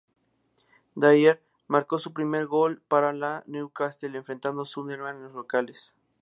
Dyer marcó su primer gol para el Newcastle enfrentando al Sunderland de locales.